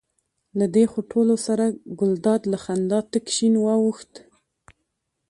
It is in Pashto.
له دې خوټولو سره ګلداد له خندا تک شین واوښت.